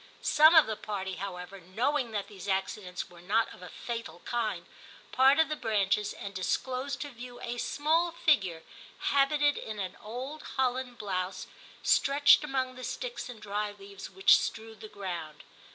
Some of the party, how ever, knowing that these accidents were not 22 TIM CHAP. of a fatal kind, parted the branches and dis closed to view a small figure habited in an old holland blouse, stretched among the sticks and dry leaves which strewed the ground.